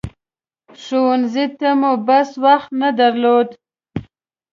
ښوونځي ته مو بس وخت نه درلود.